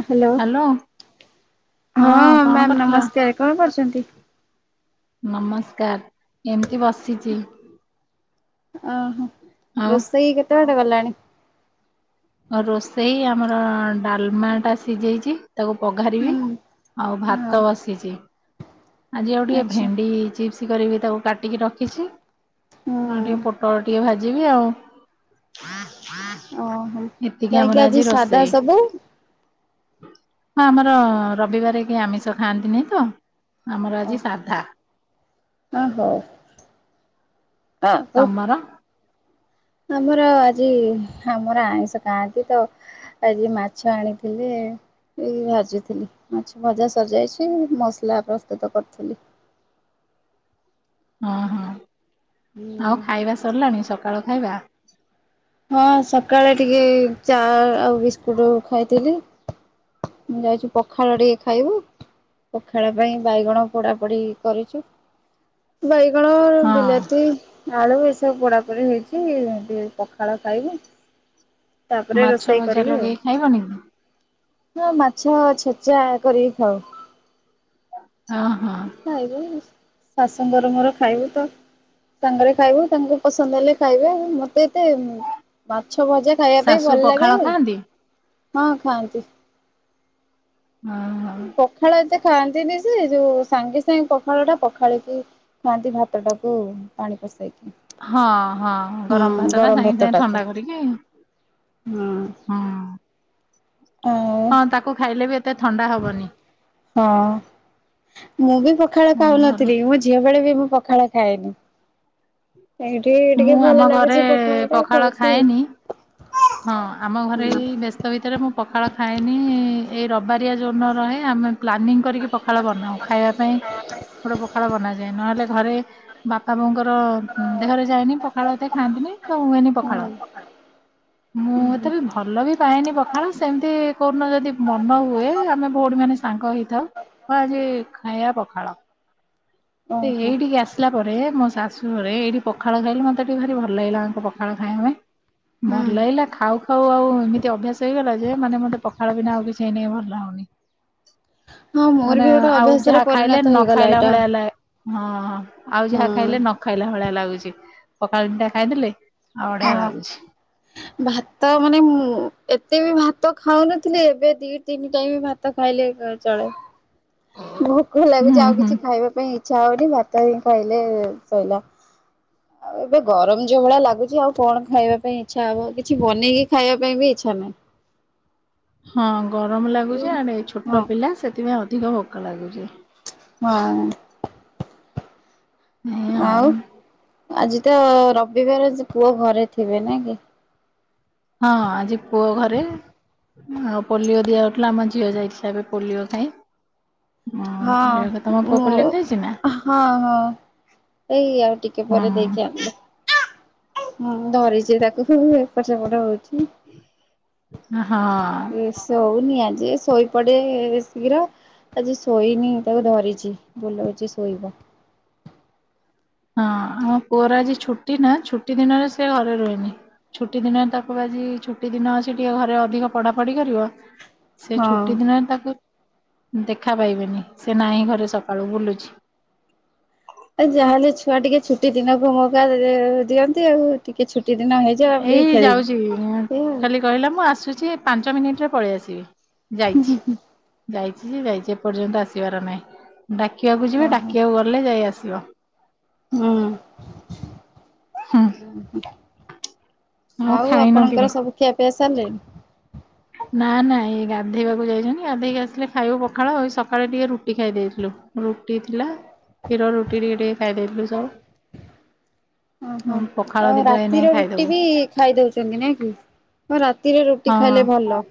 Hello ହଁ କଣ ମିୟାମ କରୁଥିଲ? ନମସ୍କାର କଣ କରୁଛନ୍ତି। ନମସ୍କାର ଏମିତି ବସିଚି। ଓହୋ ଆଉ ରୋଷେଇ କେତେ ବାଟ ଗଲାଣି। ରୋଷେଇ ଆମର ଡାଲମା ଟା ସିଝେଇଛି ତାକୁ ପଘାରିବି। ହୁଁ ଆଉ ଭାତ ହଁ ବସିଛି ଆଜି ଆଉ ଟିକେ ଆଚ୍ଛା ଭେଣ୍ଡି ଚିପ୍ସ କରିବି ତାକୁ କାଟିକି ରଖିଛି ନା ହୁଁ ଟିକେ ପୋଟଳ ଟିକେ ଭାଜିବି ଆଉ। ହଁ ଓହୋ କାହିଁକି ଆଜି ସାଧା ସବୁ। ହଁ ଆମର ରବିବାରେ କି ଆମିଷ ଖାଆନ୍ତିନି ତ ଆମର ଆଜି ସାଧା। ଓ ହୋଉ ଆଁ ଓ। ତମର ଆମର ଆଜି ଆମର ଆଇଁଷ ଖାଆନ୍ତି ତ। ଆଜି ମାଛ ଆଣିଥିଲେ। ଏଇ ଭାଜିଥିଲି ମାଛ ଭଜା ସଜାଇଛି ମସଲା ପ୍ରସ୍ତୁତ କରିଥିଲି। ହଁ ହଁ ଆଉ ଖାଇବା ସରିଲାଣି ସକାଳୁ ଖାଇବା। ହଁ ସକାଳେ ଟିକେ ଚା ଆଉ ବିସ୍କୁଟ ଖାଇଥିଲି। ମୁଁ ଯାଇଚୁ ପଖାଳ ଟିକେ ଖାଇବୁ। ପଖାଳ ପାଇଁ ବାଇଗଣ ପୋଡା ପୋଡି କରିଚୁ। ବାଇଗଣ ହଁ ବିଲାତି। ଆଳୁ ଏସବୁ ପୋଡାପୋଡି ହେଇଛି ଟିକେ ପଖାଳ ଖାଇବୁ। ତାପରେ ମାଛ ରୋଷେଇ ଭଜା କରିବି ଆଉ। ଲଗେଇ ଖାଇବନି କି? ହଁ ମାଛ ଛେଚା କରିକି ଖାଉ। ହଁ ହଁ। ଖାଇବୁ ଶାଶୁଙ୍କର ମୋର ଖାଇବୁ ତ। ସାଙ୍ଗରେ ଖାଇବୁ ତାଙ୍କୁ ପସନ୍ଦ ହେଲେ ଖାଇବେ ଆଉ ମତେ ଏତେ ମାଛ ଭଜା ଖାଇବା ପାଇଁ ଶାଶୁ ଭଲ ପଖାଳ ଲାଗେ ଯେ ଖାଆନ୍ତି? ହଁ ଖାଆନ୍ତି। ହଁହଁ। ପଖାଳ ଏତେ ଖାଆନ୍ତିନି ଯେ ଯୋଉ ସାଙ୍ଗେ ସାଙ୍ଗେ ପଖାଳ ଟା ପଖାଳିକି ଖୁଆନ୍ତି ଭାତ ଟାକୁ ପାଣି ପସେଇକି। ହଁ ହଁ ଗରମ ଭାତ ଟା ସାଙ୍ଗେ ସାଙ୍ଗେ ଥଣ୍ଡା କରିକି ହୁଁ ହଁ। ଆଉ ହଁ ତାକୁ ଖାଇଲେ ବି ଏତେ ଥଣ୍ଡା ହବନି। ହଁ। ମୁଁ ବି ପଖାଳ ହୁଁ ଭଲ ଖାଉନଥିଲି ମୋ ଝିଅ ବେଳେ ବି ମୁଁ ପଖାଳ ଖାଏନି। ଏଇଠି ମୁଁ ଟିକେ ଆମ ଭଲ ଘରେ ଲାଗୁଛି ପଖାଳ ଟା ଖାଉଛି ଆଉ। ହଁ ଆମ ଘରେ ଏଇ ବ୍ୟସ୍ତ ଭିତରେ ମୁଁ ପଖାଳ ଖାଇଏନି ଏଇ ରବ ବାରିଆ ଯୋଉଦିନ ରହେ ଆମେ ପ୍ଲାନିଂ କରିକି ପଖାଳ ବନାଉ ଖାଇବା ପାଇଁ। ପଖାଳ ବନାଯାଏ ନହେଲେ ଘରେ ବାପା ବୋଉଙ୍କର ଦେହରେ ଯାଏନି ପଖାଳ ଏତେ ଖାଆନ୍ତିନି ତ ହୁଏନି ପଖାଳ। ମୁଁ ଏତେ ବିି ଭଲ ବି ପାଏନି ପଖାଳ ସେମିତି କୋଉଦିନ ଯଦି ମନ ହୁଏ। ଆମେ ଭଉଣୀ ମାନେ ସାଙ୍ଗ ହେଇଥାଉ ଆଜି ଖାଇବା ପଖାଳ। ଓହୋ ସେ ହୁଁ ହେଇଠିକି ଆସ ଆସିଲା ପରେ ମୋ ଶାଶୁ ଘରେ ଏଇଠି ପଖାଳ ଖାଇଲେ ମତେ ଟିକେ ଭାରି ଭଲ ଲାଗିଲା ଆଙ୍କ ପଖାଳ ଖାଇବା ପାଇଁ। ଭଲ ଲାଗିଲା ଖାଉ ହଉ ଆଉ ଏମିତି ଅଭ୍ୟାସ ହେଇଗଲା ଯେ ମାନେ ମତେ ପଖାଳ ବିନା ଆଉ କିଛି ଏହିନି ଭଲ ଲାଗୁନି। ହଁ ମୋର ବି ମାନେ ଗୋଟେ ଆଉ ଅଭ୍ୟାସରେ ଯାହା ପରିଣତ ଖାଇଲେ ନ ହେଇଗଲା ଖାଇଲା ଏଇଟା ଭଳିଆ ଲା ହଁ ହଁ ଆଉ ଯାହା ହଁ। ଖାଇଲେ ନ ଖାଇଲା ଭଳିଆ ଲାଗୁଛି ପଖାଳ ଦିଟା ଖାଇଦେଲେ ଆଉ ବଢିଆ ଲାଗୁଛି। ହଁ ଭାତ ମାନେ ମୁଁ ଏତେ ବି ଭାତ ଖାଉନଥିଲି ଏବେ ଦି ତିନି ଟାଇ ଭା ଭାତ ଖାଇଲେ ଏକାଳେ ଚଳେ। ଭୋକ ଲାଗୁଛି ହୁଁ ଆଉ ହୁଁ। କିଛି ଖାଇବା ପାଇଁ ଇଚ୍ଛା ହଉନି ଭାତ ହି ଖାଇଲେ ଶଇଲା। ହ ଆଉ ଏବେ ଗରମ ଯୋଉ ଭଳିଆ ଲାଗୁଛି ଆଉ କଣ ଖାଇବା ପାଇଁ ଇଚ୍ଛା ହବ କିଛି ବନେଇକି ଖାଇବା ପାଇଁ ବି ଇଚ୍ଛା ନାହିଁ। ହଁ ଗରମ ଲାଗୁଚ ଆଡେ ଛୋଟ ହଁ ପିଲା ସେଥିପାଇଁ ଅଧିକ ଭୋକ ଲାଗୁଛି। ହଁ। ଆଉ ଆଜି ତ ରବିବାର ପୁଅ ଘରେ ଥିବେ ନ କି? ହଁ ଆଜି ପୁଅ ଘରେ ଆଉ ପୋଲିଓ ଦିଆ ହଉଥିଲା ଆମ ଝିଅ ଯାଇଥିଲା ଏବେ ପୋଲିଓ ଖାଇ। ହଁ ପୋଲିଓ ଖା ତମ ପୁଅ ମୁଁ ପୋଲିଓ ଖାଇଛି ନା ହଁ ହଁ। ଏଇ ଆଉ ଟିକେ ହଁ ପରେ ଦେଇଖି ଆଣିଲେ ମୁଁ ଧରିଛି ତାକୁ ଏପଟ ସେପଟ ହଉଛି। ହଁ। ଇଏ ଶଉନି ଆଜି ଶୋଇପଡେ ଶୀଘ୍ର। ଆଜି ଶୋଇନି ତାକୁ ଧରିଛି ବୁଲଉଛି ଶୋଇବ। ହଁ ଆମ ପୁଅର ଆଜି ଛୁଟି ନା ଛୁଟି ଦିନରେ ସେ ଘରେ ରୁହେନି। ଛୁଟି ଦିନ ତାକୁ ଆଜି ଛୁଟି ଦିନ ଅଛି ଟିକେ ଘରେ ଅଧିକ ପଢାପଢି କରିବ। ସେ ହଁ। ଛୁଟି ଦିନରେ ତାକୁ ଦେଖା ପାଇବେନି ସେ ନାହିଁ ଘରେ ସକାଳୁ ବୁଲୁଛି। ଆ ଯାହାହେଲେ ଛୁଆ ଟିକେ ଛୁଟି ଦିନକୁ ମୋଉକା ରେ ଦିଅନ୍ତି ଆଉ। ଟିକେ ଛୁଟି ଦିନ ହେଇଯାଉ ଆମେ ଟିକେ ଏଇ ଖେଳିବୁ ଯାଉଛି ଏଇୟା ଆଉ। ଖାଲି କହିଲା ମୁଁ ଆସୁଚି ପାଞ୍ଚ ମିନିଟରେ ପଳେଇ ଆସିବି। ଯାଇଚି ଯାଇ ଚି ଯେ ଯାଇଚି ଏପର୍ଯ୍ୟନ୍ତ ଆସିବାର ନାହିଁ। ଡାକିବାକୁ ଯିବେ ଆଉ ଡାକିବାକୁ ଗଲେ ଯାଇ ଆସିବ। ହୁଁ। ହୁଁ। ଓହୋ ଆଉ ଖାଇନ କି? ଆପଣଙ୍କର ସବୁ ଖିଆପିଆ ସାରିଲେଣି? ନା ନା ଏଇ ଗାଧେଇବାକୁ ଯାଇଚନ୍ତି। ଗାଧେଇକି ଆସିଲେ ଖାଇବୁ ପଖାଳ ସକାଳେ ଟିକେ ରୁଟି ଖାଇ ଦେଇଥିଲୁ। ରୁଟି ଥିଲା କ୍ଷୀର ରୁଟି ଟିକେ ଟିକେ ଖାଇଦେଇଥିଲୁ ସବୁ। ଓହୋ ପଖାଳ ଆଉ ଦିଟା ଏଇନାକେ ରାତିର ଖାଇଦବୁ ରୁଟି ବି ଖାଇଦୋଉଚନ୍ତି ନା କି। ଆଉ ରାତିରେ ରୁଟି ହଁ। ଖାଇଲେ ଭଲ।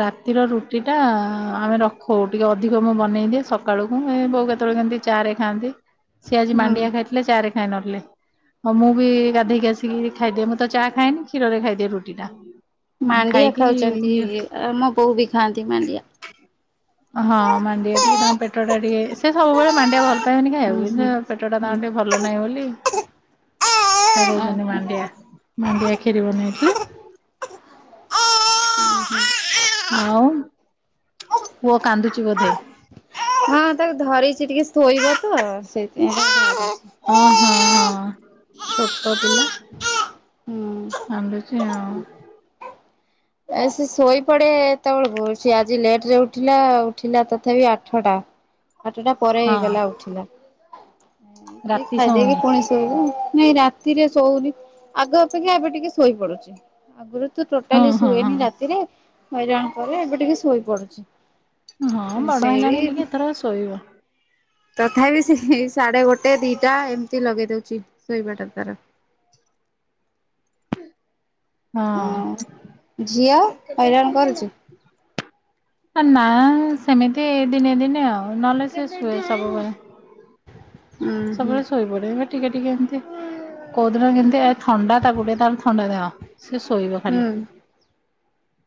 ରାତିର ରୁଟିଟା ଆମେ ରଖୁ। ଟିକେ ଅଧିକ ମୁଁ ବନେଇଦିଏ ସକାଳୁକୁ ଏ ବୋଉ କେତେବେଳେ କେମତି ଚା ରେ ଖାଆନ୍ତି। ସିଏ ଆଜି ହୁଁ। ମାଣ୍ଡିଆ ଖାଇଥିଲେ ଚା ରେ ଖାଇ ନଥିଲେ। ହଁ ମୁଁ ବି ଗାଧେଇକି ଆସିକି ଖାଇଦିଏ। ମୁଁ ତ ଚାହା ଖାଏନି କ୍ଷୀରରେ ଖାଇଦିଏ ରୁଟିଟା। ମାଣ୍ଡିଆ ଖାଉଚନ୍ତି ମୋ ବୋଉ ବି ଖାଆନ୍ତି ମାଣ୍ଡିଆ। ହଁ ମାଣ୍ଡିଆ ଟିକେ ତାଙ୍କ ପେଟ ଟା ଟିକେ ସେ ସବୁବେଳେ ମାଣ୍ଡିଆ ଭଲ ପାଇବେନି ହୁଁ ଖାଇବାକୁ ହୁଁ କିନ୍ତୁ ପେଟ ଟା ହୁଁ ତାଙ୍କର ଟିକେ ଭଲ ନାହିଁ ବୋଲି ଖାଇ ଦୋଉଚନ୍ତି ମାଣ୍ଡିଆ ମାଣ୍ଡିଆ ଖିରି ବନେଇଥିଲି। ଓହୋ। ଆଉ ପୁଅ କାନ୍ଦୁଚି ବୋଧେ? ହଁ ତାକୁ ଧରେଇଚି ଟିକେ ଶୋଇବ ତ ସେଇଥିପାଇଁ [unintelligible] ହଁ ହଁ ହଁ ଛୋଟ ପିଲା ହୁଁ କନ୍ଦୁଚି ଆଉ। ଏ ସେ ଶୋଇପଡେ ଏତେବେଳକୁ। ସିଏ ଆଜି ଲେଟରେ ଉଠିଲା ଉଠିଲା ତଥାପି ଆଠଟା। ଆଠଟା ପରେ ହେଇଗଲା ହଁ ଉଠିଲା। ଏ ରାତି ଖାଇଦେଇକି ଶୋଉନି ଫୁଣି ଶୋଇବ ଆଉ। ନାଇଁ ରାତିରେ ଶୋଉନି। ଆଗ ଅପେକ୍ଷା ଏବେ ଟିକେ ଶୋଇପଡୁଚି। ଆଗରୁ ତ ହଁ ଟୋଟାଲି ହଁ ଶୁଏନି ହଁ ରାତିରେ ହଇରାଣ କରେ ଏବେ ଟିକେ ଶୋଇପଡୁଚି। ହଁ ବଡ ହେଲାଣି ଟିକେ ଏଥରକ ଶୋଇବ। ତଥାପି ସେ [unintelligible] ସାଢେ ଗୋଟେ ଦିଇଟା ଏମିତି ଲଗେଇ ଦୋଉଚି ଶୋଇବାଟା ତାର। ଅଂ ହଁ ହ ଝିଅ ହଇରାଣ କରୁଚି? ଆ ନାଁ ସେମିତି ଏ ଦିନେ ଦିନେ ଆଉ ନହେଲେ ସେ ଶୁଏ ସବୁବେଳେ। ଉଁ ହୁଁ ସବୁବେଳେ ଶୋଇ ପଡେ। [unintelligible] ଟିକେ ଟିକେ ଏମିତି କୋଉଦିନ କେମିତି ଏ ଥଣ୍ଡା ତାକୁ ଟିକେ ତାର ଥଣ୍ଡା ଦେହ। ସେ ଶୋଇବ ଖାଲି। ହୁଁ।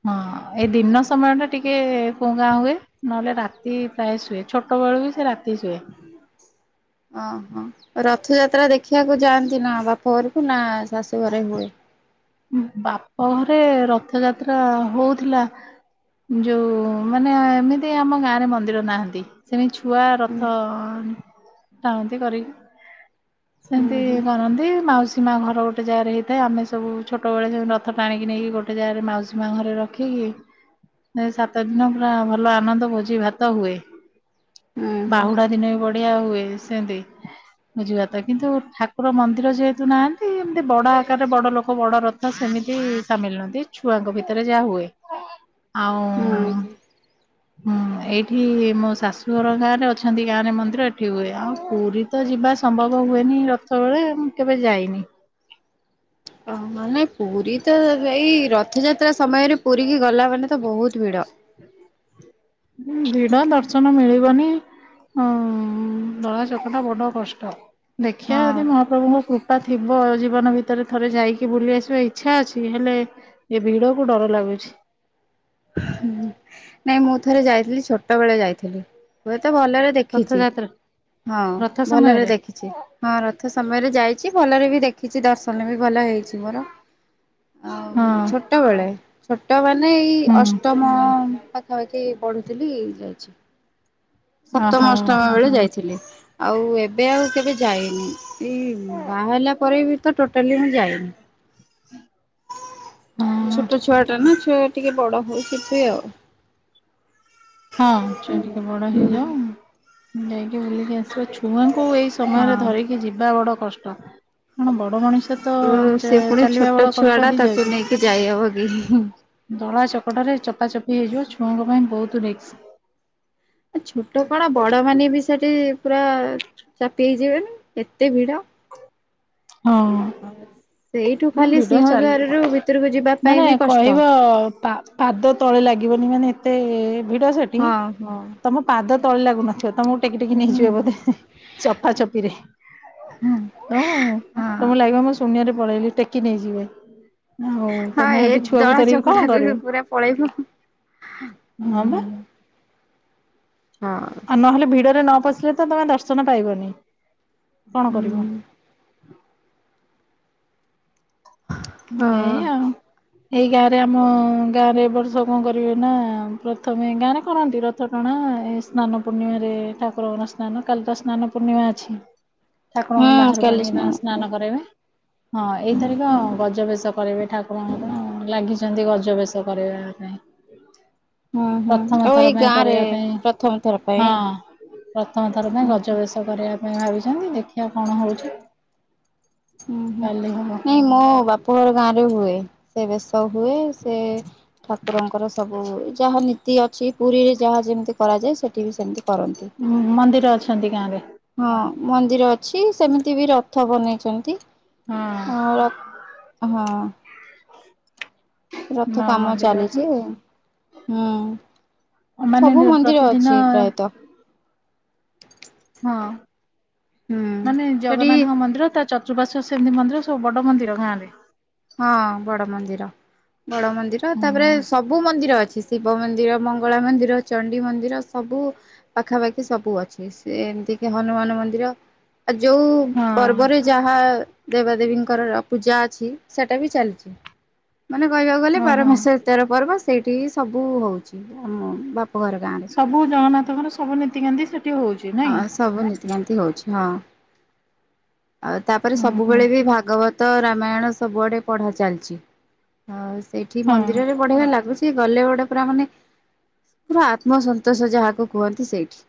ହଁ ଏଇ ଦିନନ ସମୟଟା ଟିକେ କୁଂ କାଂ ହୁଏ। ନହେଲେ ରାତି ପ୍ରାୟ ଶୁଏ ଛୋଟବେେଳୁ ବି ସେ ରାତି ଶୁଏ। ଓହୋ ରଥଯାତ୍ରା ଦେଖିବାକୁ ଯାଆନ୍ତି ନା ବାପ ଘରକୁ ନା ଶାଶୁ ଘରେ ହୁଏ? ବାପ ଘରେ ରଥଯାତ୍ରା ହୋଉଥିଲା। ଯୋଉ ମାନେ ଏମିତି ଆମ ଗାଁରେ ମନ୍ଦିର ନାହାନ୍ତି। ସେମିତି ଛୁଆ ହୁଁ ରଥ ଟାଣନ୍ତି କରିକି। ହୁଁ ସେମିତି ହୁଁ କରନ୍ତି ମାଉସୀ ମା ଘର ଗୋଟେ ଜାଗାରେ ହେଇଥାଏ। ଆମେ ସବୁ ଛୋଟବେଳେ ସବୁ ରଥ ଟାଣିକି ନେଇକି ଗୋଟେ ଜାଗାରେ ମାଉସୀ ମା ଘରେ ରଖିକି ଏ ସାତ ଦିନ ପୁରା ଭଲ ଆନନ୍ଦ ଭୋଜି ଭାତ ହୁଏ। ହୁଁ ବାହୁଡା ଦିନ ବି ବଢିଆ ହୁଏ। ସେମତି ମୁଁ ଯିବାପାଇଁ କିନ୍ତୁ ଠାକୁର ମନ୍ଦିର ଯେହେତୁ ନାହାନ୍ତି ବଡ ଆକାରରେ ବଡ ଲୋକ ବଡ ରଥ ସେମିତି ସାମିଲ ନୁହନ୍ତି ଛୁଆଙ୍କ ଭିତରେ ଯାହା ହୁଏ ଆଉ ହ [inaudible] ହୁଁ ଏଇଠି ମୋ ଶାଶୁଘର ଗାଁରେ ଅଛନ୍ତି ଗାଁରେ ମନ୍ଦିର ଏଠି ହୁଏ ଆଉ ପୁରୀ ତ ଯିବା ସମ୍ଭବ ହୁଏନି ରଥବେଳେ ମୁଁ କେବେ ଯାଇନି। ଓହ ମାନେ ପୁରୀତ ଏଇ ରଥଯାତ୍ରା ସମୟରେ ପୁରୀ କି ଗଲା ମାନେ ତ ବହୁତ ଭିଡ ହୁଁ ଭିଡ ଦର୍ଶନ ମିଳିବନି। ହଁ ଦଳା ଚକଟା ବଡ କଷ୍ଟ ଦେଖିଆ ହଁ ଯଦି ମହାପ୍ରଭୁଙ୍କ କୃପ ପା ଥିବ ଜୀବନ ଭିତରେ ଥରେ ଯାଇକି ବୁଲି ଆସିବା ଇଚ୍ଛା ଅଛି ହେଲେ ଏ ଭିଡ କୁ ଡର ଲାଗୁଛି। ନାଇଁ ମୁଁ ଥରେ ଯାଇଥିଲି ଛୋଟ ବେଳେ ଯାଇଥିଲି। ହୁଏତ ଭଲରେ ଦେଖିଛି ରଥଯାତ୍ରା ହଁ ରଥ ଭଲରେ ସମୟରେ ଦେଖିଛି। ହଁ ରଥ ସମୟରେ ଯାଇଛି ଭଲରେ ବି ଦେଖିଛି ଦର୍ଶନ ବି ଭଲ ହେଇ ଛି ମୋର ଆ ହଁ। ଛୋଟବେଳେ ଛୋଟ ମାନେ ଏଇ ହୁଁ ଅଷ୍ଟ ମୁଁ ପାଖାପାଖି ପଢ଼ୁଥିଲି ଯାଇଛି। ସପ୍ତମ ଓହୋ ଅଷ୍ଟମ ବେଳେ ଯାଇଥିଲି ଆଉ ଏବେ ଆଉ କେବେ ଯାଇନି। ଏଇ ବାହା ହେଲା ପରେ ବି ତ ଟୋଟାଲି ମୁଁ ଯାଇନି। ହଁ ଛୋଟ ଛୁଆଟା ନା ଛୁଆ ଟିକେ ବଡ ହଉ ଜିବି ଆଉ। ହଁ ଛୁଆ ହୁଁ ଟିକେ ବଡ ହଁ। ହେଇଯାଉ ଯାଇକି ବୁଲିକି ଆସିବ ଛୁଆଙ୍କୁ ଏଇ ତ ସମୟରେ ଧରିକି ଟିକେ ଯିବା ବଡ କଷ୍ଟ କଣ ବଡ ମଣିଷ ଏତେ ତ ଚା ସେ ପୁଣି ଚାଲିବା ଛୋଟ ବଡ ଛୁଆ କଷ୍ଟ ଟା ତାକୁ ହେଇଯାଉଛି। ନେଇକି ଯାଇହବ କି? ଦଳା ଚକଟାରେ ଚପାଚପି ହେଇଯିବ ଛୁଆଙ୍କ ପାଇଁ ବହୁତ ରିକ୍ସ। ଏ ଛୋଟ କଣ ବଡ ମାନେ ବି ସେଠି ପୁରା ଚାପି ହେଇଯିବେନି ଏତେ ଭିଡ ହଁ। ହଁ ସେଇଠୁ ନା ଖାଲି ଭିଡ ଚାଲିବ ସିଂହଦ୍ୱାରରୁ ଭିତରକୁ ଯିବା ପାଇଁ ବି କଷ୍ଟ। ତ ପା ପାଦ ତଳେ ଲାଗିବନି ମାନେ ଏତେ ଭିଡ ସେଠି ହଁ ହଁ ତମ ପାଦ ତଳେ ଲାଗୁନଥିବ ତମକୁ ଟେକି ଟେକି ନେଇଯିବ ହୁଁ ବୋଧେ ଚପା ଚପିରେ। ଓ ହଁ ତମକୁ ଲାଗିବ ମୁଁ ଶୁନ୍ୟରେ ପଳେଇଲି ଟେକି ନେଇଯିବେ ହଉ ହଁ ଏ ଦଳା ଚକଡ଼ା ତୁ ପୁରା ପଳେଇବ। ହଁ ହଁ ବା। ହଁ। ଆଉ ନହେଲେ ଭିଡରେ ନ ପଶିଲେ ତ ତମେ ଦର୍ଶନ ପାଇବନି କଣ ହୁଁ କରିବ ହଁ। ଏଇ ଆଉ। ଏଇ ଗାଁ ରେ ଆମ ଗାଁ ରେ ଏବ ବର୍ଷ କଣ କରିବେ ନା ପ୍ରଥମେ ଗାଁ ରେ କରନ୍ତି ର ରଥଟଣା ଏ ସ୍ନାନ ପୂର୍ଣ୍ଣିମାରେ ଠାକୁରଙ୍କର ସ୍ନାନ କାଲି ତ ସ୍ନାନ ପୂର୍ଣ୍ଣିମା ଅଛି। ଠାକୁରଙ୍କୁ ହୁଁ ବାହାରକୁ କାଲି ଆଣିକି ତାଙ୍କୁ ପୂର୍ଣ୍ଣିମା। ସ୍ନାନ କରାଇବେ ହଁ ଏଇଥରିକ ଗଜ ରଥ କରିବେ ଠାକୁରଙ୍କର ଲାଗିଛନ୍ତି ଗଜ ବେସ କରିବା ପାଇଁ। ହୁଁ ହୁଁ ପ୍ରଥମ ଆଉ ଏଇ ଥର ପାଇଁ ଗାଁରେ କରିବା ପାଇଁ ପ୍ରଥମ ଥର ପାଇଁ। ହଁ। ପ୍ରଥମ ଥର ପାଇଁ ହୁଁ ଗଜ ବେସ କରିବା ପାଇଁ ଭାବିଛନ୍ତି ଦେଖିବା କଣ ହଉଛି। ଉଁ ହୁଁ କାଲି ହବ। ନାଇଁ ମୋ ବାପ ଘର ଗାଁରେ ହୁଏ ସେ ବେସ ହୁଏ ସେ ଠାକୁରଙ୍କର ସବୁ ଯାହା ନୀତି ଅଛି ପୁରୀରେ ଯାହା ଯେମିତି କରାଯାଏ ସେଠି ବି ସେମିତି କରନ୍ତି। ହୁଁ ମନ୍ଦିର ଅଛନ୍ତି ଗାଁରେ? ହଁ ମନ୍ଦିର ଅଛି ସେମିତି ବି ରଥ ବନେଇଛନ୍ତି। ହଁ ହଉ ରଖ ହଁ। ରଥ ମା କାମ ମନ୍ଦିର ଚାଲିଛି ଅଛନ୍ତି। ଆଉ। ହୁଁ। ମାନେ ସବୁ ମନ୍ଦିର ପ୍ରତିଦିନ ଅଛି ପ୍ରାୟତଃ। ହଁ, ହୁଁ ମାନେ ସେଠି ଜଗନ୍ନାଥଙ୍କ ମନ୍ଦିର ତା ଚତ ଚତୁପାର୍ଶ୍ୱରେ ସେମତି ମନ୍ଦିର, ସବୁ ବଡ଼ ମନ୍ଦିର ଗାଁରେ। ହଁ, ବଡ ମନ୍ଦିର। ବଡ଼ ମନ୍ଦିର, ହୁଁ ତାପରେ ସବୁ ମନ୍ଦିର ଅଛି। ଶିବ ମନ୍ଦିର, ମଙ୍ଗଳା ମନ୍ଦିର, ଚଣ୍ଡି ମନ୍ଦିର ସବୁ ପାଖାପାଖି ସବୁ ଅଛି। ସେ ଏମତି କି ହନୁମାନ ମନ୍ଦିର ଆଉ ଯୋଉ ହଁ ପର୍ବରେ ଯାହା ଦେବାଦେବୀଙ୍କର ପୂଜା ଅଛି ସେଇଟା ବି ଚାଲିଛି। ମାନେ କହିବାକୁ ଗଲେ ହଁ ହଁ ବାରମାସ ସଟାର ପର୍ବ, ସେଇଠି ହି ସବୁ ହଉଛି, ଆମ ବାପଘର ଗାଁରେ। ସବୁ ଜଗନ୍ନାଥଙ୍କର ସବୁ ନୀତିକାନ୍ତି ସେଠି ହଉଛି। ନାଇଁ ହଁ, ସବୁ ନୀତିକାନ୍ତି ହଉଛି ହଁ। ଆଉ ତାପରେ ହୁଁ ହୁଁ ସବୁବେଳେ ବି ଭାଗବତ, ରାମାୟଣ ସବୁଆଡେ ପଢା ଚାଲିଚି। ହଉ ସେଇଠି ହଁ। ମନ୍ଦିରରେ ବଢ଼ିଆ ବି ଲାଗୁଛି, ଗଲେ ବଡେ ପୁରା ମାନେ ପୁରା ଆତ୍ମସନ୍ତୋଷ ଯାହାକୁ କୁହନ୍ତି ସେଇଠି।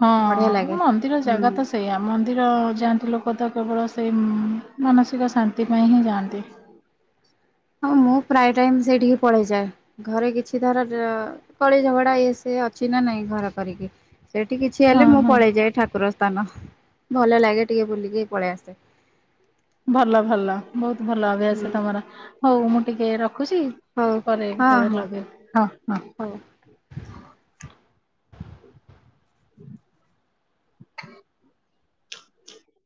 ହଁ, ବଢିଆ ଲାଗେ ମନ୍ଦିର ଜାଗା ହୁଁ। ତ ସେଇଆ। ମନ୍ ମନ୍ଦିର ଯାଆନ୍ତି ଲୋକ ତ କେବଳ ସେଇ ଉମ୍ ମାନସିକ ଶାନ୍ତି ପାଇଁ ହିଁ ଯାଆନ୍ତି। ହଁ, ମୁଁ ପ୍ରାୟ ଟାଇମ ସେଇଠିକି ପଳେଇଯାଏ। ଘରେ କିଛି ଧର କଳି ଝଗଡା ଇଏ ସିଏ ଅଛି ନା ନାଇଁ ଘର କରିକି। ଏଠି କିଛି ହେଲେ ହଁ ମୁଁ ହଁ। ପଳେଇଯାଏ ଠାକୁର ସ୍ଥାନ, ଭଲ ଲାଗେ ଟିକେ ବୁଲିକି ପଳେଇ ଆସେ। ଭଲ ଭଲ ବହୁତ ଭଲ ହୁଁ ଅଭ୍ୟାସ ତମର। ହଉ ମୁଁ ଟିକେ ରଖୁଛି ହଉ ପରେ ହଁ କେତେବେଳେ ହଁ ଲଗେଇବି, ହଁ ହଉ। ହଁ।